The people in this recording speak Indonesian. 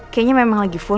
kayaknya memang lagi full